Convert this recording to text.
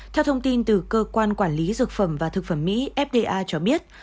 theo thông tin từ cơ quan quản lý dược phẩm và thực phẩm mỹ fda cho biết